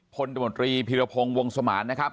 ตมตรีพิรพงศ์วงสมานนะครับ